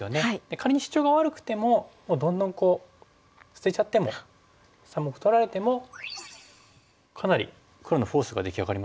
仮にシチョウが悪くてももうどんどん捨てちゃっても３目取られてもかなり黒のフォースが出来上がりますよね。